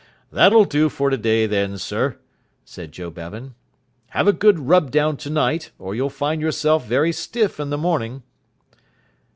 "That'll do for today, then, sir," said Joe Bevan. "Have a good rub down tonight, or you'll find yourself very stiff in the morning."